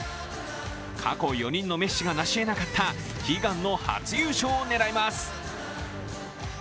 過去４人のメッシがなしえなかった悲願の初優勝を狙います。